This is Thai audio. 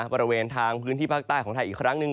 บริเวณทางพื้นที่ภาคใต้ของไทยอีกครั้งหนึ่ง